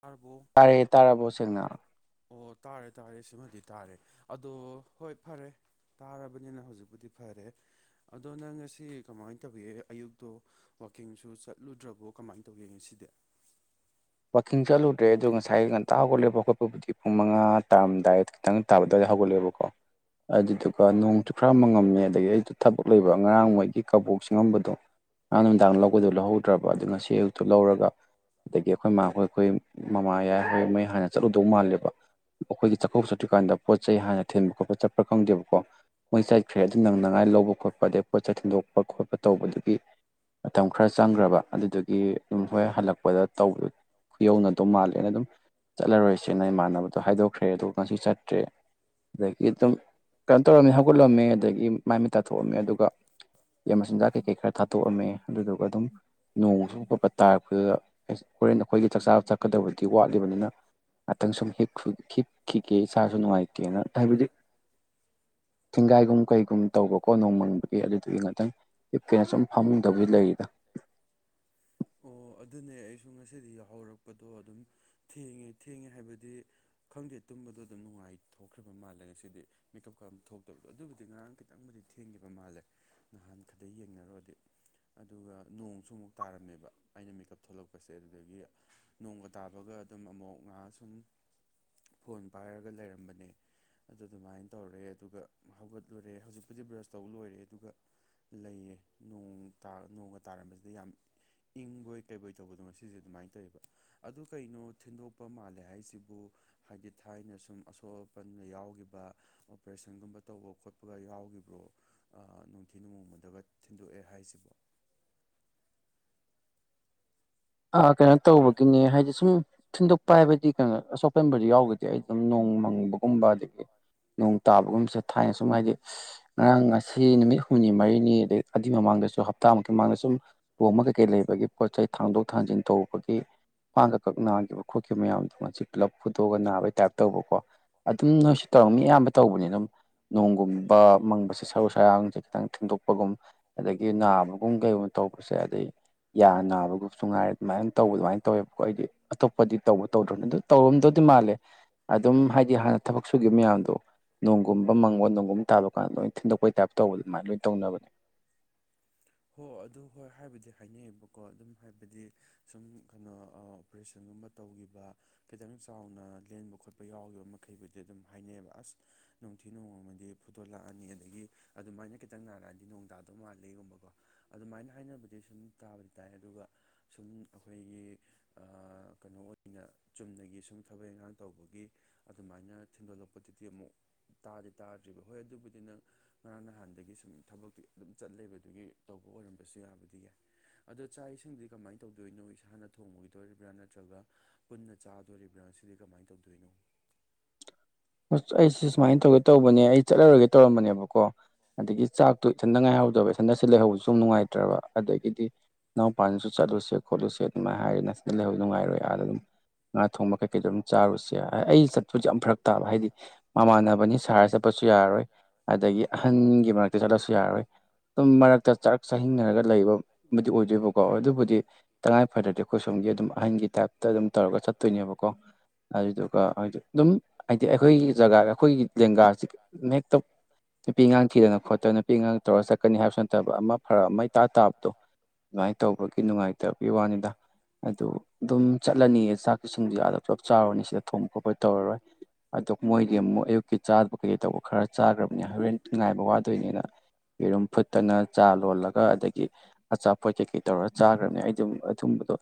ꯇꯥꯔꯕꯣ ꯇꯥꯔꯦ ꯇꯔꯥ ꯣꯁꯦꯜꯅ ꯑꯣ ꯇꯥꯔꯦ ꯇꯥꯔꯦ ꯁꯤꯃꯗꯤ ꯇꯥꯔꯦ ꯑꯗꯣ ꯍꯣꯏ ꯐꯔꯦ ꯇꯥꯔꯕꯅꯤꯅ ꯍꯧꯖꯤꯛꯄꯨꯗꯤ ꯐꯔꯦ ꯑꯗꯣ ꯅꯪ ꯉꯁꯤ ꯀꯃꯥꯏꯅ ꯇꯧꯒꯒꯦ ꯑꯌꯨꯛꯇꯣ ꯋꯥꯋꯥꯛꯀꯤꯡꯁꯨ ꯆꯠꯂꯨꯗ꯭ꯔꯕꯣ ꯀꯃꯥꯏꯅ ꯇꯧꯒꯦ ꯉꯁꯤꯗꯤ ꯀꯥꯀꯤꯡ ꯆꯠꯂꯨꯗ꯭ꯔꯦ ꯑꯗꯣ ꯉꯁꯥꯏ ꯉꯟꯇꯥ ꯍꯧꯒꯠꯂꯦꯕ ꯈꯣꯠꯄꯕꯨꯗꯤ ꯄꯨꯡ ꯃꯉꯥ ꯇꯥꯔꯝꯗꯥꯏꯗ ꯈꯤꯇꯪ ꯇꯥꯕ ꯑꯗꯨꯋꯥꯏꯗ ꯍꯧꯒꯠꯂꯦꯕꯀꯣ ꯑꯗꯨꯗꯨꯒ ꯅꯣꯡꯁꯨ ꯈꯔ ꯃꯪꯉꯝꯃꯦ ꯑꯗꯒꯤ ꯑꯩꯁꯨ ꯊꯕꯛ ꯂꯩꯕ ꯉꯔꯥꯡ ꯃꯣꯏꯒꯤ ꯀꯕꯣꯛꯁꯤꯉꯝꯕꯗꯣ ꯉꯔꯥꯡ ꯅꯨꯃꯤꯗꯥꯡ ꯂꯒꯗꯣꯏ ꯂꯧꯍꯧꯗ꯭ꯔꯕ ꯑꯗꯨ ꯉꯁꯤ ꯑꯛꯇꯨ ꯂꯧꯔꯒ ꯑꯗꯒꯤ ꯑꯩꯈꯣꯏ ꯃꯥꯈꯣꯏ ꯑꯩꯈꯣꯏ ꯃꯃꯥ ꯌꯥꯏ ꯍꯣꯏ ꯃꯩ ꯍꯥꯟꯅ ꯆꯠꯂꯨꯗꯧ ꯃꯥꯜꯂꯦꯕ ꯑꯩꯈꯣꯏꯒꯤ ꯆꯥꯛꯀꯧꯕ ꯆꯠꯇ꯭ꯔꯤꯀꯥꯟꯗ ꯄꯣꯠ ꯆꯩ ꯍꯥꯟꯅ ꯊꯤꯟꯕ ꯈꯣꯠꯄ ꯆꯠꯄ꯭ꯔꯥ ꯈꯪꯗꯦꯕꯀꯣ ꯃꯩ ꯆꯠꯈ꯭ꯔꯦ ꯑꯗꯨ ꯅꯪꯅꯉꯥꯏ ꯂꯧꯕ ꯈꯣꯠꯄ ꯑꯗꯩ ꯄꯣꯠ ꯆꯩꯩ ꯊꯤꯟꯗꯣꯛꯄ ꯈꯣꯠꯄ ꯇꯧꯕꯗꯨꯒꯤ ꯃꯇꯝ ꯈꯔ ꯆꯪꯈ꯭ꯔꯕ ꯑꯗꯨꯗꯨꯒꯤ ꯑꯗꯨꯝ ꯍꯣꯏ ꯍꯜꯂꯛꯄꯗ ꯇꯧꯕ ꯈꯨ ꯌꯧꯅꯗꯧ ꯃꯥꯜꯂꯦꯅ ꯑꯗꯨꯝ ꯆꯠꯂꯔꯣꯏꯁꯦꯅ ꯏꯃꯥꯟꯅꯕꯗꯣ ꯍꯥꯏꯗꯣꯛꯈ꯭ꯔꯦ ꯑꯗꯨꯒ ꯉꯁꯤ ꯆꯠꯇ꯭ꯔꯦ ꯑꯗꯒꯤ ꯑꯗꯨꯝ ꯀꯩꯅꯣ ꯇꯧꯔꯝꯃꯤ ꯍꯧꯒꯠꯂꯝꯃꯦ ꯑꯗꯒꯤ ꯃꯥꯏ ꯃꯩ ꯇꯥꯊ ꯊꯣꯛꯑꯝꯃꯦ ꯑꯗꯨꯒ ꯃꯆꯤꯟꯖꯥꯛ ꯀꯩꯀꯩ ꯈꯔ ꯊꯥ ꯇꯣꯛꯑꯝꯃꯦ ꯑꯗꯨꯗꯨꯒ ꯑꯗꯨꯝ ꯅꯣꯡꯁꯨ ꯄꯣꯠꯄ ꯇꯥꯔꯛꯄꯗꯨꯗ ꯍꯣꯔꯦꯟ ꯑꯩꯈꯣꯏꯒꯤ ꯆꯥꯛꯆꯥ ꯆꯥꯛ ꯀꯗꯕꯗꯤ ꯋꯥꯠꯂꯤꯕꯅꯤꯅ ꯉꯥꯛꯇꯪ ꯁꯨꯝ ꯍꯤꯞꯈꯤꯒꯦ ꯏꯁꯥꯁꯨ ꯅꯨꯡꯉꯥꯏꯇꯦꯅ ꯍꯥꯏꯕꯗꯤ ꯊꯦꯡꯒꯥꯏꯒꯨꯝ ꯀꯩꯒꯨꯝ ꯇꯧꯕꯀꯣ ꯅꯣꯡꯃꯪꯕꯒꯤ ꯑꯗꯨꯗꯨꯗꯒꯤ ꯉꯥꯛꯇꯪ ꯍꯤꯞꯀꯦꯅ ꯁꯨꯝ ꯐꯥꯔꯃꯤꯡ ꯇꯧꯕꯗꯤ ꯂꯩꯔꯤꯗ ꯁ ꯉꯁꯤꯗꯤ ꯌꯥꯎꯍꯧꯔꯛꯄ ꯇꯄꯗꯣ ꯑꯗꯨꯝ ꯊꯦꯡꯉꯦ ꯊꯦꯡꯉꯦ ꯍꯥꯏꯕꯗꯤ ꯈꯪꯗꯦ ꯇꯨꯝꯕꯗꯣ ꯑꯗꯨꯝ ꯅꯨꯡꯉꯥꯏ ꯊꯣꯛꯈ꯭ꯔꯕ ꯃꯥꯜꯂꯦ ꯉꯁꯤꯗꯤ ꯃꯦꯀꯞꯀ ꯊꯣꯛꯇꯕꯗꯣ ꯑꯗꯨꯕꯨꯗꯤ ꯉꯔꯥꯡ ꯈꯤꯇꯪꯕꯨꯗꯤ ꯊꯦꯡꯈꯤꯕ ꯃꯥꯜꯂꯦ ꯅꯍꯥꯟ ꯈꯗꯩ ꯌꯦꯡꯅꯔꯨꯔꯗꯤ ꯑꯗꯨꯒ ꯅꯣꯡꯁꯨ ꯑꯃꯨꯛ ꯇꯥꯔꯝꯃꯦꯕ ꯑꯩꯅ ꯃꯦꯀꯞ ꯊꯣꯛꯂꯛꯄꯁꯦ ꯑꯗꯨꯗꯒꯤ ꯅꯣꯡꯒ ꯇꯥꯕꯒ ꯑꯗꯨꯝ ꯑꯃꯨꯛ ꯉꯥꯏꯍꯥꯛ ꯁꯨꯝ ꯐꯣꯟ ꯄꯥꯏꯔꯒ ꯂꯩꯔꯝꯕꯅꯦ ꯑꯗꯨ ꯑꯗꯨꯃꯥꯏꯅ ꯇꯧꯔꯦ ꯑꯗꯨꯒ ꯍꯧꯒꯠꯂꯨꯔꯦ ꯍꯧꯖꯤꯛꯄꯨꯗꯤ ꯕ꯭ꯔꯁ ꯇꯧꯕ ꯂꯣꯏꯔꯦ ꯑꯗꯨꯒ ꯂꯩꯌꯦ ꯅ ꯅꯣꯡꯒ ꯇꯥꯔꯝꯕꯁꯤꯗ ꯌꯥꯝ ꯏꯪꯕꯣꯏ ꯀꯩꯕꯣꯏ ꯇꯧꯕꯗ ꯁꯤꯁꯦ ꯑꯗꯨꯃꯥꯏꯅ ꯇꯧꯋꯦꯕ ꯑꯗꯨ ꯀꯩꯅꯣ ꯊꯤꯟꯗꯣꯛꯄ ꯃꯥꯜꯂꯦ ꯍꯥꯏꯁꯤꯕꯨ ꯍꯥꯏꯗꯤ ꯊꯥꯏꯅ ꯁꯨꯝ ꯑꯁꯣꯛ ꯑꯄꯟꯒ ꯌꯥꯎꯈꯤꯕ ꯑꯣꯄꯔꯦꯁꯟꯒꯨꯝꯕ ꯇꯧꯕ ꯈꯣꯠꯄꯒ ꯌꯥꯎꯈꯤꯕ꯭ꯔꯣ ꯅꯣꯡꯊꯤ ꯅꯣꯡꯃꯗꯒ ꯊꯤꯟꯗꯣꯛꯑꯦ ꯍꯥꯏꯁꯤꯕꯣ ꯑ ꯀꯩꯅꯣ ꯇꯧꯕꯒꯤꯅꯦ ꯍꯥꯏꯗꯤ ꯁꯨꯝ ꯊꯤꯟꯗꯣꯛꯄ ꯍꯥꯏꯕꯗꯤ ꯀꯩꯅꯣ ꯑꯁꯣꯛꯄꯟꯕꯗꯤ ꯌꯥꯎꯒꯗꯤ ꯑꯩ ꯑꯗꯨꯝ ꯅꯣꯡ ꯃꯪꯕꯒꯨꯝꯕ ꯑꯗꯒꯤ ꯇꯥꯕꯒꯨꯝꯕꯁꯦ ꯊꯥꯏꯅ ꯁꯨꯝ ꯍꯥꯏꯗꯤ ꯉꯔꯥꯡ ꯉꯁꯤ ꯅꯨꯃꯤꯠ ꯍꯨꯝꯅꯤ ꯃꯔꯤꯅꯤ ꯑꯗꯩ ꯑꯗꯨꯏ ꯃꯃꯥꯡꯗꯁꯨ ꯍꯥꯞ ꯍꯞꯇꯥꯃꯨꯛꯀꯤ ꯃꯥꯡꯗ ꯁꯨꯝ ꯂꯍꯣꯡꯕ ꯀꯩ ꯀꯩ ꯂꯩꯕꯒꯤ ꯄꯣꯠ ꯆꯩ ꯊꯥꯡꯗꯣꯛ ꯈꯥꯟꯖꯤꯟ ꯇꯧꯕꯒꯤ ꯈꯋꯥꯡꯒ ꯀꯛ ꯅꯥꯈꯤꯕ ꯈꯣꯠꯈꯤꯕ ꯃꯌꯥꯝꯗꯣ ꯉꯁꯤ ꯄꯨꯂꯞ ꯐꯨꯗꯣꯛꯑꯒ ꯅꯥꯕꯒꯤ ꯇꯥꯏꯞ ꯇꯧꯕꯀꯣ ꯑꯗꯨꯝ ꯅꯣꯏꯁꯤ ꯇꯧꯔ ꯃꯤ ꯑꯌꯥꯝꯕ ꯇꯧꯕꯅꯤ ꯑꯗꯨꯝ ꯅꯣꯡꯒꯨꯝꯕ ꯃꯪꯕꯁꯦ ꯁꯔꯨ ꯁꯔꯥꯡꯁꯦ ꯈꯤꯇꯪ ꯊꯦꯡꯗꯣꯛꯄꯒꯨꯝ ꯑꯗꯒꯤ ꯅꯥꯕꯒꯨꯝ ꯀꯩ ꯇꯧꯕꯁꯦ ꯑꯗꯩꯩ ꯌꯥ ꯅꯥꯕꯒꯨꯝꯕ ꯁꯨ ꯉꯥꯏꯔꯦ ꯑꯗꯨꯃꯥꯏꯅ ꯇꯧꯕ ꯑꯗꯨꯃꯥꯏꯅ ꯇꯧꯋꯦꯕꯀꯣ ꯑꯩꯗꯤ ꯑꯇꯣꯞꯄꯗꯤ ꯇꯧꯕ ꯇꯧꯗ꯭ꯔꯣꯅꯤ ꯑꯗꯨ ꯇꯧꯔꯝꯗꯧꯗꯤ ꯃꯥꯜꯂꯦ ꯑꯗꯨꯝ ꯍꯥꯏꯗꯤ ꯍꯥꯟꯅ ꯊꯕꯛ ꯁꯨꯈꯤꯕ ꯃꯌꯥꯝꯗꯣ ꯅꯣꯡꯒꯨꯝꯕ ꯃꯪꯉꯣ ꯅꯣꯡꯒꯨꯝꯕ ꯇꯥꯜꯂꯣ ꯀꯥꯟꯗ ꯂꯣꯏ ꯊꯤꯟꯗꯣꯛꯄꯩ ꯇꯥꯏꯞ ꯇꯧꯕ ꯑꯗꯨꯃꯥꯏꯅ ꯂꯣꯏ ꯇꯧꯅꯕꯅꯦ ꯍꯣ ꯑꯗꯨ ꯍꯣꯏ ꯍꯥꯏꯕꯗꯤ ꯍꯥꯏꯅꯩꯑꯕꯀꯣ ꯑꯗꯨꯝ ꯍꯥꯏꯕꯗꯤ ꯁꯨꯝ ꯀꯩꯅꯣ ꯑꯣꯄꯔꯦꯁꯟꯒꯨꯝꯕ ꯇꯧꯈꯤꯕ ꯈꯤꯇꯪ ꯆꯥꯎꯅ ꯂꯦꯟꯕ ꯈꯣꯠꯄ ꯌꯥꯎꯈꯤꯕ ꯃꯈꯩꯕꯨꯗꯤ ꯑꯗꯨꯝ ꯍꯥꯏꯅꯩꯌꯦꯕ ꯑꯁ ꯅꯨꯡꯊꯤ ꯅꯣꯡꯃꯃꯗꯤ ꯐꯨꯇꯣ ꯂꯥꯛꯑꯅꯤ ꯑꯗꯒꯤ ꯑꯗꯨꯃꯥꯏꯅ ꯈꯤꯇꯪ ꯅꯥꯔꯛꯑꯗꯤ ꯅꯣꯡꯗꯥꯗꯧ ꯃꯥꯜꯂꯒꯨꯝꯕꯀꯣ ꯑꯗꯨꯃꯥꯏꯅ ꯍꯥꯏꯅꯕꯗꯤ ꯁꯨꯝ ꯇꯥꯕꯗꯤ ꯇꯥꯏ ꯑꯗꯨꯒ ꯁꯨꯝ ꯑꯩꯈꯣꯏꯒꯤ ꯀꯩꯅꯣ ꯑꯣꯏꯅ ꯆꯨꯝꯅꯒꯤ ꯁꯨꯝ ꯊꯕꯛ ꯏꯟꯈꯥꯡ ꯇꯧꯕꯒꯤ ꯑꯗꯨꯃꯥꯏꯅ ꯊꯤꯟꯗꯣꯛꯂꯛꯄꯗꯨꯗꯤ ꯑꯃꯨꯛ ꯇꯥꯗꯤ ꯇꯥꯗ꯭ꯔꯤꯕ ꯍꯣꯏ ꯑꯗꯨꯕꯨꯗꯤ ꯅꯪ ꯉꯔꯥꯡ ꯅꯍꯥꯟꯗꯒꯤ ꯁꯨꯝ ꯊꯕꯛꯇꯤ ꯑꯗꯨꯝ ꯆꯠꯂꯦꯕ ꯑꯗꯨꯒꯤ ꯇꯧꯕ ꯑꯣꯏꯔꯝꯕꯁꯨ ꯌꯥꯕꯗꯤ ꯌꯥꯏ ꯑꯗꯣ ꯆꯥꯛ ꯏꯁꯤꯡꯗꯤ ꯀꯃꯥꯏꯅ ꯇꯧꯗꯣꯏꯅꯣ ꯏꯁꯥꯅ ꯊꯣꯡꯉꯣꯏꯗꯣꯔꯤꯕ꯭ꯔꯥ ꯅꯠꯇ꯭ꯔꯒ ꯄꯨꯟꯅ ꯆꯥꯗꯣꯔꯤꯕ꯭ꯔꯥ ꯁꯤꯗꯤ ꯀꯃꯥꯏꯅ ꯇꯧꯗꯣꯏꯅꯣ ꯑꯁ ꯑꯩꯁ ꯁꯨꯃꯥꯏꯅ ꯇꯧꯒꯦ ꯇꯧꯕꯅꯦ ꯑꯩ ꯆꯠꯂꯔꯣꯏꯒꯦ ꯇꯧꯔꯝꯕꯅꯦꯕꯀꯣ ꯑꯗꯒꯤ ꯆꯥꯛꯇꯣ ꯏꯊꯟꯗ ꯉꯥꯏꯍꯧꯗꯕ ꯏꯊꯟꯗꯁꯤ ꯂꯩꯍꯧꯕꯁꯨ ꯑꯗꯨꯝ ꯅꯨꯡꯉꯥꯏꯇ꯭ꯔꯕ ꯑꯗꯒꯤꯗꯤ ꯅꯅꯥꯎꯄꯥꯁꯨ ꯆꯠꯂꯨꯁꯦ ꯈꯣꯠꯂꯨꯁꯦ ꯑꯗꯨꯃꯥꯏꯅ ꯍꯥꯏꯔꯦ ꯅꯁꯤꯟꯗ ꯂꯩꯍꯧ ꯅꯨꯡꯉꯥꯏꯔꯣꯏ ꯑꯥꯗ ꯑꯗꯨꯝ ꯉꯥ ꯊꯣꯡꯕ ꯀꯩꯀꯩꯗꯣ ꯑꯗꯨꯝ ꯆꯥꯔꯨꯁꯦ ꯑꯩ ꯆꯠꯄꯁꯨ ꯌꯥꯝ ꯐꯔꯛ ꯍꯥꯏꯗꯤ ꯃꯃꯥꯟꯅꯕꯅꯤ ꯁꯥꯔ ꯆꯠꯄꯁꯨ ꯌꯥꯔꯔꯣꯏ ꯑꯗꯒꯤ ꯑꯍꯟꯒꯤ ꯃꯔꯛꯇ ꯆꯠꯂꯁꯨ ꯌꯥꯔꯣꯏ ꯑꯗꯨꯝ ꯃꯔꯛꯇ ꯆꯔꯥꯛ ꯆꯥꯅꯤꯡꯅꯔꯒ ꯂꯩꯕꯕꯨꯗꯤ ꯑꯣꯏꯗꯣꯏꯕꯀꯣ ꯑꯗꯨꯕꯨꯗꯤ ꯇꯉꯥꯏꯐꯗꯗꯤꯦ ꯑꯩꯈꯣꯏꯁꯣꯝꯒꯤ ꯑꯗꯨꯝ ꯑꯍꯟꯒꯤ ꯇꯥꯏꯞꯇ ꯑꯗꯨꯝ ꯇꯧꯔꯒ ꯆꯠꯇꯣꯏꯅꯦꯕꯀꯣ ꯑꯗꯨꯗꯣ ꯑ ꯍꯥꯏꯗꯣ ꯑꯥꯗꯨꯝ ꯍꯥꯏꯗꯤ ꯑꯩꯈꯣꯏꯒꯤ ꯖꯒꯥꯗ ꯑꯩꯈꯣꯏꯒꯤ ꯂꯦꯡꯒꯥꯁꯤ ꯍꯦꯛꯇ ꯅꯨꯄꯤ ꯑꯉꯥꯡ ꯊꯤꯗꯅ ꯈꯣꯠꯇꯅ ꯅꯨꯄꯤ ꯑꯉꯥꯡ ꯇꯧꯔꯒ ꯆꯠꯀꯅꯤ ꯍꯥꯏꯕꯁꯨ ꯅꯠꯇꯕ ꯑꯃ ꯐꯔꯛ ꯑꯃꯇꯥ ꯇꯥꯕꯗꯣ ꯑꯗꯨꯃꯥꯏꯅ ꯇꯧꯕꯒꯤ ꯅꯨꯡꯉꯥꯏꯇꯕꯒꯤ ꯋꯥꯅꯤꯗ ꯑꯗꯨ ꯑꯗꯨꯝ ꯆꯠꯂꯅꯤꯌꯦ ꯆꯥꯛꯀꯤ ꯁꯤꯡꯁꯤ ꯑꯗ ꯄꯨꯂꯞ ꯆꯥꯎꯔꯅꯤ ꯁꯤꯗ ꯊꯨꯝ ꯈꯣꯠꯄꯣꯏ ꯇꯧꯔꯣꯏ ꯑꯗꯨ ꯃꯣꯏꯗꯤ ꯑꯃꯨꯛ ꯑꯌꯨꯛꯀꯤ ꯆꯥꯗꯕ ꯀꯩꯀꯩ ꯇꯧꯕ ꯈꯔ ꯆꯥꯈ꯭ꯔꯕꯅꯤ ꯍꯣꯔꯦꯟ ꯉꯥꯏꯕ ꯋꯥꯗꯣꯏꯅꯤꯅ ꯌꯦꯔꯨꯝ ꯐꯨꯠꯇꯅ ꯆꯥ ꯂꯣꯜꯂꯒ ꯑꯗꯒꯤ ꯑꯆꯥꯄꯣꯠ ꯀꯩꯀꯩ ꯇꯧꯔ ꯆꯥꯈ꯭ꯔꯕꯅꯤ ꯑꯩ ꯑꯩꯗꯤ ꯑꯊꯨꯝꯕꯗꯣ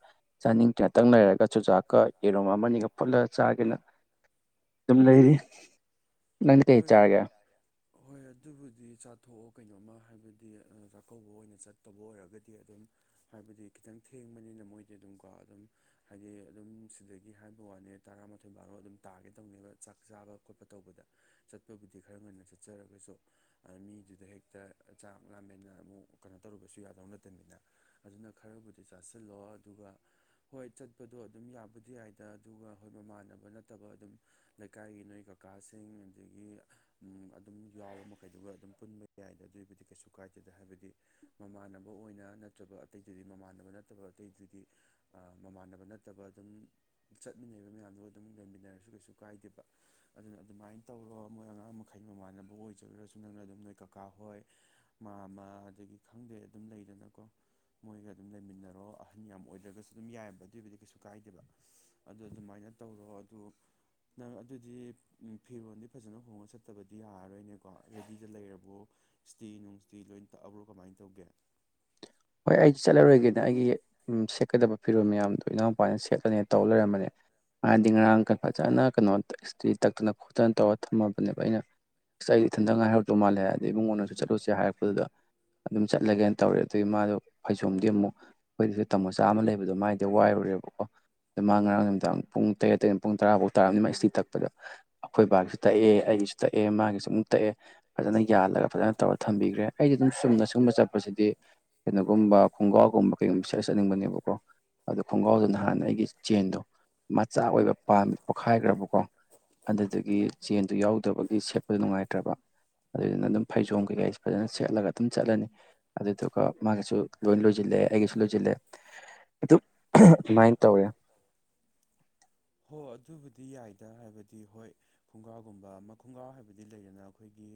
ꯆꯥꯅꯤꯡ ꯇꯔꯦ ꯉꯛꯇꯪ ꯂꯩꯔꯒ ꯆꯨꯖꯥꯛꯀ ꯌꯦꯔꯨꯝ ꯑꯃꯅꯤꯒ ꯐꯨꯠꯂ ꯆꯥꯒꯦꯅ ꯑꯗꯨꯝ ꯂꯩꯔꯤ ꯅꯪ ꯀꯩ ꯍꯣꯏ ꯆꯥꯔꯒꯦ ꯍꯣꯏ ꯑꯗꯨꯕꯨꯗꯤ ꯆꯥꯊꯣꯛꯑꯣ ꯀꯩꯅꯣꯝꯃ ꯍꯥꯏꯕꯗꯤ ꯆꯥꯛꯀꯧꯕ ꯑꯣꯏꯅ ꯆꯠꯇꯕ ꯑꯣꯏꯔꯒꯗꯤ ꯑꯗꯨꯝ ꯍꯥꯏꯕꯗꯤ ꯈꯤꯇꯪ ꯊꯦꯡꯕꯅꯤꯅ ꯃꯣꯏꯗꯤ ꯑꯗꯨꯝꯀꯣ ꯑꯗꯨꯝ ꯍꯥꯏꯗꯤ ꯑꯗꯨꯝ ꯁꯤꯗꯒꯤ ꯍꯥꯏꯕ ꯋꯥꯅꯤ ꯇꯔꯥꯃꯥꯊꯣꯏ ꯕꯥꯔꯣ ꯑꯗꯨꯝ ꯇꯥꯒꯦ ꯇꯧꯅꯦꯕ ꯆꯥꯛ ꯆꯥꯕ ꯈꯣꯠꯄ ꯇꯧꯕꯗ ꯆꯠꯄꯕꯨꯗꯤ ꯈꯔ ꯉꯟꯅ ꯆꯠꯆꯔꯒꯁꯨ ꯃꯤꯗꯨꯗ ꯍꯦꯛꯇ ꯆꯥꯛ ꯂꯥꯃꯦꯟꯅ ꯑꯃꯨꯛ ꯀꯩꯅꯣ ꯇꯧꯔꯨꯕꯁꯨ ꯌꯥꯗꯧ ꯅꯠꯇꯕꯅꯤꯅ ꯑꯗꯨꯅ ꯈꯔꯕꯨꯗꯤ ꯆꯥꯁꯤꯜꯂꯣ ꯑꯗꯨꯒ ꯍꯣꯏ ꯆꯠꯄꯗꯣ ꯑꯗꯨꯝ ꯌꯥꯕꯨꯗꯤ ꯌꯥꯏꯗ ꯑꯗꯨꯒ ꯍꯣꯏ ꯃꯃꯥꯟꯅꯕ ꯅꯠꯇꯕ ꯑꯗꯨꯝ ꯂꯩꯀꯥꯏꯒꯤ ꯅꯣꯏ ꯀꯀꯥꯁꯤꯡ ꯑꯗꯒꯤ ꯑꯗꯨꯝ ꯌꯥꯎꯕ ꯃꯈꯩꯗꯨꯒ ꯑꯗꯨꯝ ꯄꯨꯟꯕ ꯌꯥꯏꯗ ꯑꯗꯨꯒꯤꯕꯨꯗꯤ ꯀꯩꯁꯨ ꯀꯥꯏꯗꯦꯗ ꯍꯥꯏꯕꯗꯤ ꯃꯃꯥꯟꯅꯕ ꯑꯣꯏꯅ ꯅꯠꯇ꯭ꯔꯕ ꯑꯇꯩꯗꯨꯗꯤ ꯃꯃꯥꯟꯅꯕ ꯅꯠꯇꯕ ꯑꯇꯩꯗꯨꯗꯤ ꯃꯃꯥꯟꯅꯕ ꯅꯠꯇꯕ ꯑꯗꯨꯝ ꯆꯠ ꯆꯠꯃꯤꯟꯅꯔꯤꯕ ꯃꯌꯥꯝꯗꯣ ꯑꯗꯨꯝ ꯂꯩꯃꯤꯟꯅꯔꯁꯨ ꯀꯩꯁꯨ ꯀꯥꯏꯗꯦꯕ ꯑꯗꯨꯅ ꯑꯗꯨꯃꯥꯏꯅ ꯇꯧꯔꯣ ꯃꯣꯏ ꯑꯉꯥꯡ ꯃꯈꯩ ꯃꯃꯥꯟꯅꯕ ꯑꯣꯏꯖꯔꯨꯔꯁꯨ ꯅꯪꯅ ꯑꯗꯨꯝ ꯅꯣꯏ ꯀꯀꯥ ꯍꯣꯏ ꯃꯥꯃ ꯑꯗꯒꯤ ꯈꯪꯗꯦ ꯑꯗꯨꯝ ꯂꯩꯗꯅꯀꯣ ꯃꯣꯏꯒ ꯑꯗꯨꯝ ꯂꯩꯃꯤꯟꯅꯔꯣ ꯑꯍꯟ ꯌꯥꯝ ꯑꯣꯏꯗ꯭ꯔꯒꯁꯨ ꯑꯗꯨꯝ ꯌꯥꯏꯑꯕ ꯑꯗꯨꯏꯕꯨꯗꯤ ꯀꯩꯁꯨ ꯀꯥꯏꯗꯦꯕ ꯑꯗꯨ ꯑꯗꯨꯃꯥꯏꯅ ꯇꯧꯔꯣ ꯑꯗꯨ ꯅꯪ ꯑꯗꯨꯗꯤ ꯐꯤꯔꯣꯜꯗꯤ ꯐꯖꯅ ꯍꯣꯡꯉ ꯆꯠꯇꯕꯗꯤ ꯌꯥꯔꯔꯣꯏꯅꯦꯀꯣ ꯔꯦꯗꯤꯗ ꯂꯩꯔꯕ꯭ꯔꯣ ꯏꯁꯇꯤ ꯅꯨꯡꯇꯤ ꯂꯣꯏ ꯇꯛꯑꯕ꯭ꯔꯣ ꯀꯃꯥꯏꯅ ꯇꯧꯒꯦ ꯍꯣꯏ ꯑꯩꯗꯤ ꯆꯠꯂꯔꯣꯏꯒꯦꯅ ꯑꯩꯒꯤ ꯁꯦꯠꯀꯗꯕ ꯐꯤꯔꯣꯜ ꯃꯌꯥꯝꯗꯣ ꯏꯅꯥꯎꯄꯥꯅ ꯁꯦꯠꯂꯅꯤ ꯇꯧ ꯂꯩꯔꯝꯕꯅꯦ ꯃꯥꯗꯤ ꯉꯔꯥꯡ ꯐꯖꯅ ꯀꯩꯅꯣ ꯏꯁꯇꯤ ꯇꯛꯇꯅ ꯈꯣꯠꯇꯅ ꯇꯧꯔ ꯊꯝꯃꯕꯅꯦꯕ ꯑꯩꯅ ꯑꯩꯗꯤ ꯏꯊꯟꯇ ꯉꯥꯏꯍꯔꯧꯗꯧ ꯃꯥꯜꯂꯦ ꯑꯗꯩ ꯏꯃꯨꯡꯉꯣꯟꯅꯁꯨ ꯆꯠꯂꯨꯁꯦ ꯍꯥꯏꯔꯛꯄꯗꯨꯗ ꯑꯗꯨꯝ ꯆꯠꯂꯒꯦꯅ ꯇꯧꯔꯦ ꯑꯗꯣ ꯑꯗꯨꯒꯤ ꯃꯥꯗꯣ ꯐꯩꯖꯣꯝꯗꯤ ꯑꯃꯨꯛ ꯑꯩꯈꯣꯏꯗꯁꯨ ꯇꯝꯕꯆꯥ ꯑꯃ ꯂꯩꯕꯗꯣ ꯃꯥꯏꯗꯤ ꯋꯥꯏꯔꯨꯔꯦꯕꯀꯣ ꯑꯗꯣ ꯃꯥ ꯉꯔꯥꯡ ꯅꯨꯃꯤꯗꯥꯡ ꯄꯨꯡ ꯇꯔꯦꯠ ꯇꯔꯦꯠ ꯄꯨꯡ ꯇꯔꯥꯐꯥꯎ ꯇꯥꯔꯕꯅꯤ ꯃꯥ ꯁꯤꯇꯤ ꯇꯛꯄꯗ ꯑꯩꯈꯣꯏ ꯕꯥꯒꯤꯁꯨ ꯇꯛꯑꯦ ꯑꯩꯒꯤꯁꯨ ꯇꯛꯑꯦ ꯃꯥꯒꯤꯁꯨ ꯑꯃꯨꯛ ꯇꯛꯑꯦ ꯐꯖꯅ ꯌꯥꯜꯂꯒ ꯐꯖꯅ ꯇꯧꯔ ꯊꯝꯕꯤꯈ꯭ꯔꯦ ꯑꯩꯗꯤ ꯑꯗꯨꯝ ꯆꯨꯝꯅ ꯁꯨꯝꯕ ꯆꯠꯄꯁꯤꯗꯤ ꯀꯩꯅꯣꯒꯨꯝꯕ ꯈꯣꯡꯒ꯭ꯔꯥꯎꯒꯨꯝꯕ ꯀꯩꯒꯨꯝꯕ ꯁꯦꯠꯂ ꯆꯠꯅꯤꯡꯕꯅꯦꯕꯀꯣ ꯑꯗꯨ ꯈꯣꯡꯒ꯭ꯔꯥꯎꯗꯨ ꯅꯍꯥꯟ ꯑꯩꯒꯤ ꯆꯦꯟꯗꯣ ꯃꯆꯥ ꯑꯣꯏꯕ ꯄꯥꯝꯃꯤ ꯄꯣꯛꯈꯥꯏꯈ꯭ꯔꯕꯀꯣ ꯑꯗꯨꯗꯒꯤ ꯆꯦꯟꯗꯣ ꯌꯥꯎꯗꯕꯒꯤ ꯁꯦꯠꯄꯗꯣ ꯅꯨꯡꯉꯥꯏꯇ꯭ꯔꯕ ꯑꯗꯨꯗꯨꯅ ꯑꯗꯨꯝ ꯐꯩꯖꯣꯝ ꯀꯩꯀꯩ ꯐꯖꯅ ꯁꯦꯠꯂꯒ ꯑꯗꯨꯝ ꯆꯠꯂꯅꯤ ꯑꯗꯨꯗꯨ ꯃꯥꯒꯁꯨ ꯂꯣꯏ ꯂꯣꯏꯁꯤꯜꯂꯦ ꯑꯩꯒꯁꯨ ꯂꯣꯏꯁꯤꯜꯂꯦ ꯑꯗꯨ ꯑꯗꯨꯃꯥꯏꯅ ꯇꯧꯔꯦ ꯍꯣꯏ ꯑꯗꯨꯕꯨꯗꯤ ꯌꯥꯏꯗ ꯍꯥꯏꯕꯗꯤ ꯍꯣꯏ ꯈꯨꯡꯒ꯭ꯔꯥꯎꯒꯨꯝꯕ ꯑꯃ ꯈꯨꯡꯒ꯭ꯔꯥꯎ ꯍꯥꯏꯕꯗꯤ ꯂꯩꯗꯅ ꯑꯩꯈꯣꯏꯒꯤ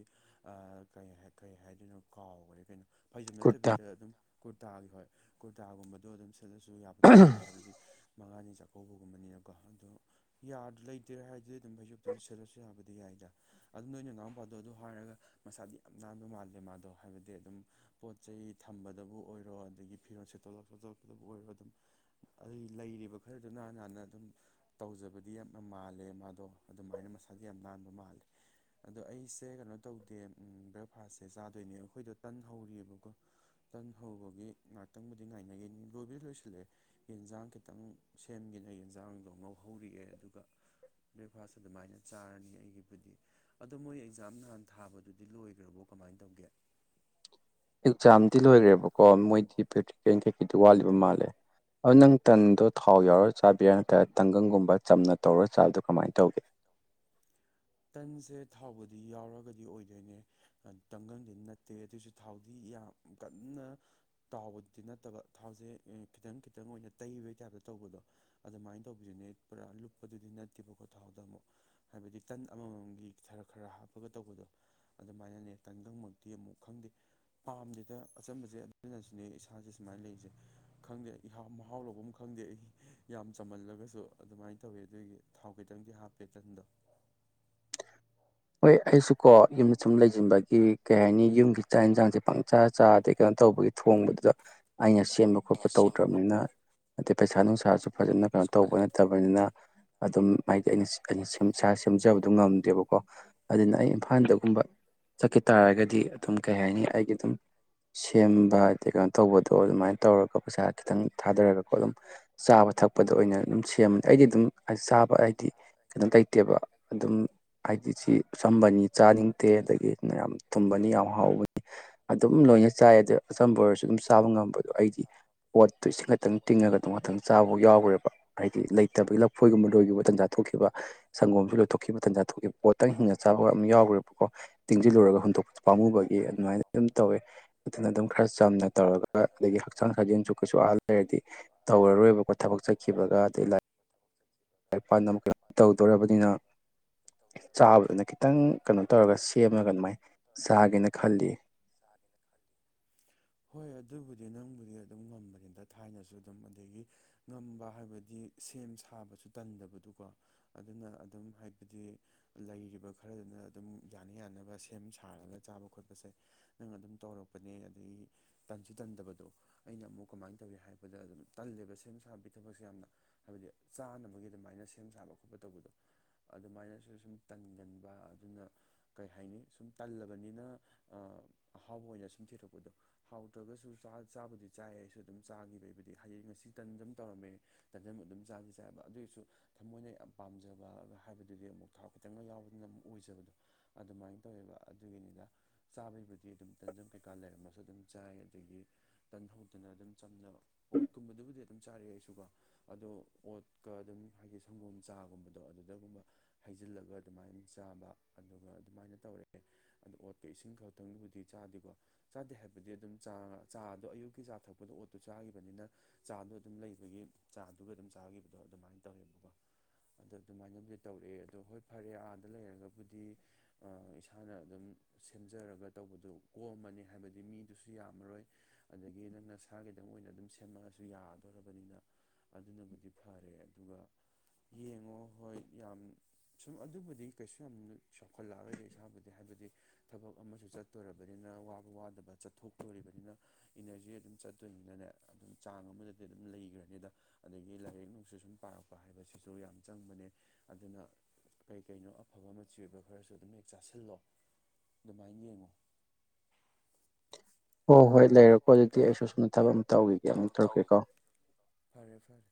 ꯀꯩ ꯀꯩ ꯍꯥꯏꯗꯣꯏꯅꯣ ꯀꯥꯎꯈꯔꯦ ꯀꯩꯅꯣ ꯐꯩꯖꯣꯝ ꯀꯨꯔꯇꯥ ꯅꯠꯇꯕꯤꯗ ꯑꯗꯨꯝ ꯀꯨꯔꯇꯥꯒꯤ ꯍꯣꯏ ꯀꯨꯔꯇꯥꯒꯨꯝꯕꯗꯣ ꯑꯗꯨꯝ ꯑꯅꯁꯨ ꯌꯥꯕꯨꯗꯤ ꯌꯥꯏꯗ ꯍꯥꯏꯕꯗꯤ ꯃꯉꯥꯅꯤ ꯆꯥꯛꯀꯧꯕꯒꯨꯝꯕꯅꯦꯕ ꯀꯣ ꯑꯗꯣ ꯌꯥꯗꯤ ꯂꯩꯇ꯭ꯔꯦ ꯍꯥꯏꯗꯨꯗꯤ ꯑꯗꯨꯝ ꯩꯖꯨꯞꯇꯨ ꯁꯦꯠꯂꯁꯨ ꯌꯥꯕꯗꯤ ꯌꯥꯏꯗ ꯑꯗꯨ ꯅꯣꯏꯅ ꯅꯥꯎ ꯃꯄꯥꯗꯣꯗꯣ ꯍꯥꯏꯔꯒ ꯃꯁꯥꯗꯤ ꯌꯥꯝ ꯅꯥꯟꯕ ꯃꯥꯜꯂꯦ ꯃꯥꯗꯣ ꯍꯥꯏꯕꯗꯤ ꯑꯗꯨꯝ ꯄꯣꯠ ꯆꯩ ꯊꯝꯕꯗꯕꯨ ꯑꯣꯏꯔꯣ ꯑꯗꯒꯤ ꯐꯤꯔꯣꯜ ꯁꯦꯠꯇꯣꯛꯂꯛ ꯈꯣꯇꯣꯛꯂꯛꯄꯗꯕꯨ ꯑꯣꯏꯔꯣ ꯑꯗꯨꯝ ꯂꯩꯔꯤꯕ ꯈꯔꯗꯨ ꯍ ꯅꯥꯟꯅ ꯑꯗꯨꯝ ꯇꯧꯖꯕꯗꯤ ꯌꯥꯝꯅ ꯃꯥꯜꯂꯦ ꯃꯥꯗꯣ ꯑꯗꯨꯃꯥꯏꯅ ꯃꯁꯥꯗ ꯌꯥꯝ ꯅꯥꯟꯕ ꯃꯥꯜꯂꯦ ꯑꯗꯣ ꯑꯩꯁ ꯁꯦ ꯀꯩꯅꯣ ꯇꯧꯗꯦ ꯕ꯭ꯔꯦꯛꯐꯥꯁꯁꯦ ꯆꯥꯗꯣꯏꯅꯦ ꯑꯩꯈꯣꯏꯗꯣ ꯇꯟ ꯍꯧꯔꯤꯑꯕꯀꯣ ꯇꯟ ꯍꯧꯕꯒꯤ ꯉꯍꯥꯛꯇꯪꯕꯨꯗꯤ ꯉꯥꯏꯅꯒꯦꯅꯤ ꯂꯣꯏꯕꯗꯤ ꯂꯣꯏꯁꯤꯜꯂꯛꯑꯦ ꯌꯦꯟꯖꯥꯡ ꯈꯤꯇꯪ ꯁꯦꯝꯒꯦꯅꯦ ꯌꯦꯟꯖꯥꯡꯗꯣ ꯉꯧꯍꯧꯔꯑꯦ ꯑꯗꯨꯒ ꯕ꯭ꯔꯦꯛꯐꯥꯁ ꯑꯗꯨꯃꯥꯏꯅ ꯆꯥꯔꯅꯤ ꯑꯩꯒꯤꯕꯨꯗꯤ ꯑꯗꯣ ꯃꯣꯏ ꯑꯦꯛꯖꯥꯝ ꯅꯍꯥꯟ ꯊꯥꯕꯗꯨꯗꯤ ꯂꯣꯏꯈ꯭ꯔꯕꯣ ꯀꯃꯥꯏꯅ ꯇꯧꯒꯦ ꯑꯦꯛꯖꯥꯝꯗꯤ ꯂꯣꯏꯈ꯭ꯔꯦꯕꯀꯣ ꯃꯣꯏꯗꯤ ꯄꯦꯛꯇꯤꯔꯤ ꯀꯩ ꯀꯩꯀꯩꯗꯤ ꯋꯥꯠꯂꯤꯕ ꯃꯥꯜꯂꯦ ꯑꯗꯣ ꯅꯪ ꯇꯟꯗꯣ ꯊꯥꯎ ꯌꯥꯎꯔ ꯆꯥꯕꯤꯔ ꯅꯠꯇ꯭ꯔꯒ ꯇꯥꯡꯒꯪꯒꯨꯝꯕ ꯆꯝꯅ ꯇꯧꯔ ꯆꯥꯕꯗ ꯀꯃꯥꯏꯅ ꯇꯧꯒꯦ ꯇꯟꯁꯦ ꯊꯥꯎꯕꯨꯗꯤ ꯌꯥꯎꯔꯒꯗꯤ ꯑꯣꯏꯗꯣꯏꯅꯦ ꯇꯪꯒꯪꯗꯤ ꯅꯠꯇꯦ ꯑꯗꯨꯑꯣꯏꯁꯨ ꯊꯥꯎꯗꯤ ꯌꯥꯝ ꯀꯟꯅ ꯇꯥꯎꯕꯗꯤ ꯅꯠꯇꯕ ꯊꯥꯎꯁꯦ ꯈꯤꯇꯪ ꯈꯤꯇꯪ ꯑꯣꯏꯅ ꯇꯩꯕꯩ ꯇꯥꯏꯞꯇ ꯇꯧꯕꯗꯣ ꯑꯗꯨꯃꯥꯏꯅ ꯇꯧꯕꯤꯗꯨꯅꯦ ꯄꯨꯔꯥ ꯂꯨꯞꯄꯗꯨꯗꯤ ꯅꯠꯇꯦꯕꯀꯣ ꯊꯥꯎꯗ ꯑꯃꯨꯛ ꯍꯥꯏꯕꯗꯤ ꯇꯟ ꯑꯃꯃꯝꯒꯤ ꯈꯔ ꯈꯔ ꯍꯥꯞꯄꯒ ꯇꯧꯕꯗꯣ ꯑꯗꯨꯃꯥꯏꯅꯅꯦ ꯇꯟ ꯈꯪꯃꯛꯇꯤ ꯑꯃꯨꯛ ꯈꯪꯗꯦ ꯄꯥꯝꯗꯦꯗ ꯑꯆꯝꯕꯁꯦ ꯑꯗꯨꯅꯁꯨꯅꯦ ꯏꯁꯥꯁꯦ ꯁꯨꯃꯥꯏꯅ ꯂꯩꯔꯤꯁꯦ ꯈꯪꯗꯦꯍꯥꯎ ꯃꯍꯥꯎ ꯂꯧꯕ ꯑꯃ ꯈꯪꯗꯦ ꯑꯩ ꯌꯥꯝ ꯆꯝꯃꯜꯂꯒꯁꯨ ꯑꯗꯨꯃꯥꯏꯅ ꯇꯧꯋꯦ ꯑꯗꯨꯏꯒꯤ ꯊꯥꯎ ꯈꯤꯇꯪꯗꯤ ꯍꯥꯞꯄꯦ ꯇꯟꯗꯣ ꯍꯣꯏ ꯑꯩꯁꯨ ꯀꯣ ꯌꯨꯝꯗ ꯁꯨꯝ ꯂꯩꯁꯤꯟꯕꯒꯤ ꯀꯩ ꯍꯥꯏꯅꯤ ꯌꯨꯝꯒꯤ ꯆꯥꯛ ꯌꯦꯟꯁꯥꯡꯁꯦ ꯄꯪꯆꯥꯥ ꯆꯥꯗ ꯀꯩꯅꯣ ꯇꯧꯕꯒꯤ ꯊꯣꯡꯕꯗꯨꯗ ꯑꯩꯅ ꯁꯦꯝꯕ ꯈꯣꯠꯄ ꯇꯧꯗ꯭ꯔꯕꯅꯤꯅ ꯑꯗꯩ ꯄꯩꯁꯥ ꯅꯨꯡꯁꯥ ꯊ ꯐꯖꯅ ꯀꯩꯅꯣ ꯇꯧꯕ ꯅꯠꯇꯕꯅꯤꯅ ꯑꯗꯨꯝ ꯍꯥꯏꯗꯤ ꯑꯩꯅ ꯑꯩꯅ ꯏꯁꯥ ꯁꯦꯝꯖꯕꯗꯨꯣ ꯉꯝꯗ꯭ꯔꯦꯕꯀꯣ ꯑꯗꯨꯅ ꯑꯩ ꯏꯝꯐꯥꯜꯗꯒꯨꯝꯕ ꯆꯠꯈꯤ ꯇꯥꯔꯒꯗꯤ ꯑꯗꯨꯝ ꯀꯩ ꯍꯥꯏꯅꯤ ꯑꯩꯒꯤ ꯑꯗꯨꯝ ꯁꯦꯝꯕ ꯍꯥꯏꯗꯤ ꯀꯩꯅꯣ ꯇꯧꯕꯗꯣ ꯑꯗꯨꯃꯥꯏꯅ ꯇꯧꯔꯒ ꯄꯩꯁꯥ ꯈꯤꯇꯪ ꯊꯥꯗꯔꯒꯀꯣ ꯑꯗꯨꯝ ꯆꯥꯕ ꯊꯛꯄꯗ ꯑꯣꯏꯅ ꯑꯗꯨꯝ ꯁꯦꯝꯃꯅꯤ ꯑꯩꯗꯤ ꯑꯗꯨꯝ ꯆꯥꯕ ꯍꯥꯏꯗꯤ ꯀꯩꯅꯣ ꯂꯩꯇꯦꯕ ꯑꯗꯨꯝ ꯍꯥꯏꯗꯤ ꯁꯤ ꯑꯆꯝꯕꯅꯤ ꯆꯥꯅꯤꯡꯗꯦ ꯑꯗꯒꯤꯅ ꯌꯥꯝ ꯊꯨꯝꯕꯅꯤ ꯌꯥꯝ ꯍꯥꯎꯕꯅꯤ ꯑꯗꯨꯝ ꯂꯣꯏꯅ ꯆꯥꯏ ꯑꯗꯨꯗ ꯑꯆꯝꯕ ꯑꯣꯏꯔꯁꯨ ꯑꯗꯨꯝ ꯆꯥꯕ ꯉꯝꯕꯗꯣ ꯑꯩꯗꯤ ꯄꯣꯠꯇꯣ ꯏꯁꯤꯡ ꯈꯛꯇꯪ ꯇꯤꯡꯉꯒ ꯑꯗꯨꯝ ꯉꯥꯛꯇꯪ ꯆꯕꯥꯎ ꯌꯥꯎꯋ ꯍꯥꯏꯗꯤ ꯂꯩꯇꯕꯒꯤ ꯂꯐꯣꯏꯒꯨꯝꯕ ꯂꯣꯏꯒꯨꯝꯕ ꯇꯟꯖꯥ ꯊꯣꯛꯈꯤꯕ ꯁꯪꯒꯣꯝꯁꯨ ꯂꯣꯏꯊꯣꯛꯈꯤꯕ ꯇꯟꯖꯥ ꯊꯣꯛꯈꯤꯕ ꯄꯣꯠꯇꯪ ꯍꯤꯡꯉꯒ ꯆꯥꯕꯒ ꯑꯃ ꯌꯥꯎꯈ꯭ꯔꯦꯕꯀꯣ ꯇꯤꯡꯁꯤꯜꯂꯨꯔꯒ ꯍꯨꯟꯗꯣꯛꯄ ꯄꯥꯝꯃꯨꯕꯒꯤ ꯑꯗꯨꯃꯥꯏꯅ ꯑꯗꯨꯝ ꯇꯧꯋꯦ ꯑꯗꯨꯅ ꯑꯗꯨꯝ ꯈꯔ ꯆꯝꯅ ꯇꯧꯔꯒ ꯑꯗꯒꯤ ꯍꯛꯆꯥꯡ ꯁꯥꯖꯦꯜꯁꯨ ꯀꯩꯁꯨ ꯑꯍꯜ ꯂꯩꯔꯗꯤ ꯇꯧꯔꯔꯣꯏꯕꯀꯣ ꯊꯕꯛ ꯆꯠ ꯈꯤꯕꯒ ꯑꯗꯩ ꯂꯥꯛ ꯂ ꯄꯥꯟꯗꯝ ꯇꯧꯗꯧꯔꯕꯅꯤꯅ ꯆꯥꯕꯗꯨꯅ ꯈꯤꯇꯪ ꯀꯩꯅꯣ ꯇꯧꯔꯒ ꯁꯦꯝꯃꯒ ꯑꯗꯨꯃꯥꯏꯅ ꯆꯥꯒꯦꯅ ꯈꯜꯂꯤ ꯍꯣꯏ ꯑꯗꯨꯕꯨꯗꯤ ꯅꯪꯕꯨꯗꯤ ꯑꯗꯨꯝ ꯉꯝꯕꯅꯤꯝꯇ ꯊꯥꯏꯅꯁꯨ ꯑꯗꯨꯝ ꯑꯗꯒꯤ ꯉꯝꯕ ꯍꯥꯏꯕꯗꯤ ꯁꯦꯝ ꯁꯥꯕꯁꯨ ꯇꯟꯗꯕꯗꯨꯀꯣ ꯑꯗꯨꯅ ꯑꯗꯨꯝ ꯍꯥꯏꯕꯗꯤ ꯂꯩꯔꯤꯕ ꯈꯔꯗꯨꯅ ꯑꯗꯨꯝ ꯌꯥꯅ ꯌꯥꯅꯕ ꯁꯦꯝ ꯁꯥꯔꯒ ꯆꯥꯕ ꯈꯣꯠꯄꯁꯦ ꯅꯪ ꯑꯗꯨꯝ ꯇꯧꯔꯛꯄꯅꯦ ꯑꯗꯒꯤ ꯇꯟꯁꯨ ꯇꯟꯗꯕꯗꯣ ꯑꯩꯅ ꯑꯃꯨꯛ ꯀꯃꯥꯏꯅ ꯇꯧꯏ ꯍꯥꯏꯕꯗ ꯑꯗꯨꯝ ꯇꯜꯂꯦꯕ ꯁꯦꯝ ꯁꯥ ꯁꯥꯕꯕꯤ ꯊꯕꯛꯁꯦ ꯌꯥꯝꯅ ꯍꯥꯏꯕꯗꯤ ꯆꯥꯅꯕꯒꯤ ꯑꯗꯨꯃꯥꯏꯅ ꯁꯦꯝ ꯁꯥꯕ ꯈꯣꯠꯄ ꯇꯧꯕꯗꯣ ꯑꯗꯨꯃꯥꯏꯅꯁꯨ ꯁꯨꯝ ꯇꯟꯒꯟꯕ ꯑꯗꯨꯅ ꯀꯔꯤ ꯍꯥꯏꯅꯤ ꯁꯨꯝ ꯇꯜꯂꯕꯅꯤꯅ ꯑꯍꯥꯎꯕ ꯑꯣꯏꯅ ꯁꯨꯝ ꯊꯤꯔꯛꯄꯗꯣ ꯍꯥꯎꯇ꯭ꯔꯒꯁꯨꯥ ꯆꯥꯕꯨꯗꯤ ꯆꯥꯏ ꯑꯩꯁꯨ ꯑꯗꯨꯝ ꯆꯥꯈꯤꯕꯩꯕꯨꯗꯤ ꯍꯥꯏꯗꯤ ꯉꯁꯤ ꯇꯟ ꯑꯗꯨꯝ ꯇꯧꯔꯝꯃꯦ ꯇꯟꯖꯝ ꯑꯗꯨꯝ ꯆꯥꯗꯤ ꯆꯥꯏꯕ ꯑꯗꯨꯒꯤꯁꯨ ꯊꯃꯣꯏꯅ ꯌꯥꯝ ꯄꯥꯝꯖꯕꯒ ꯍꯥꯏꯕꯗꯨꯗꯤ ꯑꯃꯨꯛ ꯊꯔꯥꯎ ꯈꯤꯇꯪꯒ ꯌꯥꯎꯕꯗꯅ ꯑꯃꯨꯛ ꯑꯣꯏꯖꯕꯗꯣ ꯑꯗꯨꯃꯥꯏꯅ ꯇꯧꯋꯦꯕ ꯑꯗꯨꯒꯤꯅꯤꯅ ꯆꯥꯕꯩꯕꯨꯗꯤ ꯑꯗꯨꯝ ꯇꯟꯖꯝ ꯀꯩꯀꯥ ꯂꯩꯔꯝꯃꯁꯨ ꯑꯗꯨꯝ ꯆꯥꯏ ꯑꯗꯨꯗꯒꯤ ꯇꯟꯍꯧꯗꯅ ꯑꯗꯨꯝ ꯆꯝꯅꯕ ꯑꯣ ꯀꯨꯝꯕꯗꯨꯕꯨꯗꯤ ꯑꯗꯨꯝ ꯆꯥꯔꯛꯑꯦ ꯑꯩꯁꯨꯀꯣ ꯑꯗꯣ ꯑꯣꯠꯀ ꯑꯗꯨꯝ ꯍꯥꯏꯗꯤ ꯁꯪꯒꯣꯝ ꯆꯥꯒꯨꯝꯕꯗꯣ ꯑꯗꯨꯗꯒꯨꯝꯕ ꯍꯩꯖꯤꯜꯂꯒ ꯑꯗꯨꯃꯥꯏꯅ ꯆꯥꯕ ꯑꯗꯨꯒ ꯑꯗꯨꯃꯥꯏꯅ ꯇꯧꯔꯛꯑꯦ ꯑꯗꯣ ꯑꯣꯠꯀ ꯏꯁꯤꯡ ꯈꯛꯇꯪꯒꯤꯕꯨꯗꯤ ꯆꯥꯗꯦꯀꯣ ꯆꯥꯗꯦ ꯍꯥꯏꯕꯗꯤ ꯑꯗꯨꯝ ꯆꯥ ꯆꯥꯗꯣ ꯑꯌꯨꯛꯀꯤ ꯆꯥ ꯊꯛꯄꯗ ꯑꯣꯠꯇꯣ ꯆꯥꯈꯤꯕꯅꯤꯅ ꯆꯥꯗꯣ ꯑꯗꯨꯝ ꯂꯩꯕꯒꯤ ꯆꯥꯗꯨꯒ ꯑꯗꯨꯝ ꯆꯥꯒꯤꯈꯤꯕꯗꯣ ꯑꯗꯨꯃꯥꯏꯅ ꯇꯧꯋꯦꯕꯀꯣ ꯑꯗꯣ ꯑꯗꯨꯃꯥꯏꯅꯕꯨꯗꯤ ꯇꯧꯔꯛꯑꯦ ꯑꯗꯣ ꯍꯣꯏ ꯐꯔꯦ ꯑꯥꯗ ꯂꯩꯔꯒꯕꯨꯗꯤ ꯏꯁꯥꯅ ꯑꯗꯨꯝ ꯁꯦꯝꯖꯔꯒ ꯇꯧꯕꯗꯨꯣ ꯀꯣꯝꯃꯅꯤ ꯍꯥꯏꯕꯗꯤ ꯃꯤꯗꯨꯁꯨ ꯌꯥꯝꯃꯔꯣꯏ ꯑꯗꯒꯤ ꯅꯪ ꯅ ꯁꯥꯥꯒꯤꯗꯪ ꯑꯣꯏꯅ ꯑꯗꯨꯝ ꯁꯦꯝꯃꯛꯑꯁꯨ ꯌꯥꯒ ꯆꯠꯇꯔꯕꯅꯤꯅ ꯑꯗꯨꯅꯕꯨꯗꯤ ꯐꯔꯦ ꯑꯗꯨꯒ ꯌꯦꯡꯉꯣ ꯍꯣꯏ ꯌꯥꯝ ꯁꯨꯝ ꯑꯗꯨꯕꯨꯗꯤ ꯀꯩꯁꯨ ꯌꯥꯝ ꯆꯥꯎꯈꯠꯂꯛꯑꯔꯣꯏꯗꯤ ꯏꯁꯥꯕꯨꯗꯤ ꯍꯥꯏꯕꯗꯤ ꯊꯕꯛ ꯑꯃꯁꯨ ꯆꯠꯇꯣꯔꯕꯅꯤꯅ ꯋꯥꯕ ꯋꯥꯗꯕ ꯆꯠꯊꯣꯛꯇꯣꯔꯤꯕꯅꯤꯅ ꯏꯅꯔꯖꯤ ꯑꯗꯨꯝ ꯆꯠꯇꯣꯏꯅꯤꯅꯅꯦ ꯑꯗꯨꯝ ꯆꯥꯡ ꯑꯃꯗ ꯑꯗꯨꯝ ꯂꯩꯈ꯭ꯔꯅꯤꯗ ꯑꯗꯒꯤ ꯂꯥꯏꯔꯤꯛ ꯅꯨꯡꯁꯨ ꯁꯨꯝ ꯄꯥꯔꯛꯄ ꯍꯥꯏꯕꯁꯤꯁꯨ ꯌꯥꯝ ꯆꯪꯕꯅꯦ ꯑꯗꯨꯅ ꯀꯩ ꯀꯩꯅꯣ ꯑꯐꯕ ꯃꯆꯤ ꯑꯣꯏꯕ ꯈꯔꯁꯨ ꯑꯗꯨꯝ ꯍꯦꯛ ꯆꯥꯁꯤꯜꯂꯣ ꯑꯗꯨꯃꯥꯏꯅ ꯌꯦꯡꯉꯣ ꯍ ꯍꯣꯏ ꯂꯩꯔꯛꯄꯣ ꯍꯧꯖꯤꯛꯇꯤ ꯑꯩꯁꯨ ꯁꯣꯝꯅ ꯊꯕꯛ ꯑꯃ ꯇꯧꯈꯤꯒꯦ ꯑꯃꯨꯛ ꯇꯧꯔꯛꯀꯦꯀꯣ ꯐꯔꯦ ꯐꯔꯦ